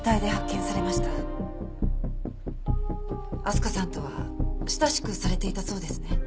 明日香さんとは親しくされていたそうですね。